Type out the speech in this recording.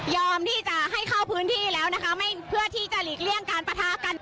ที่จะให้เข้าพื้นที่แล้วนะคะไม่เพื่อที่จะหลีกเลี่ยงการประทะกัน